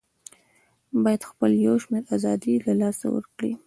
بايد خپل يو شمېر آزادۍ د لاسه ورکړي